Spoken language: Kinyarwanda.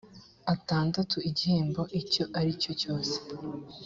atandatu igihembo icyo ari cyo cyose